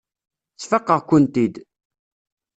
Sfaqeɣ-kent-id.